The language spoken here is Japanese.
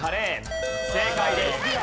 正解です。